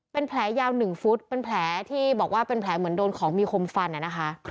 เป็นแผลยาว๑ฟุตเป็นแผลที่บอกว่าเป็นแผลเหมือนโดนของมีคมฟันนะคะ